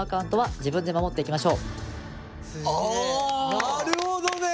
なるほどね！